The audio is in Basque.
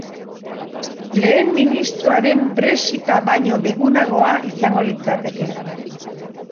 Lehen ministroaren brexit-a baino bigunagoa izango litzateke.